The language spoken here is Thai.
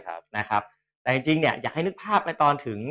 แต่จริงเนี่ยอยากให้นึกภาพในตอนถึง